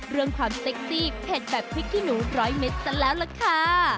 เรื่องความเซ็กซี่เผ็ดแบบพริกขี้หนูร้อยเม็ดซะแล้วล่ะค่ะ